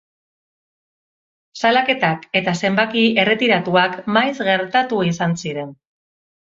Salaketak eta zenbaki erretiratuak maiz gertatu izan ziren.